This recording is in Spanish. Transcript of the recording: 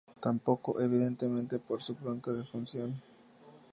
Tampoco, evidentemente, por su pronta defunción.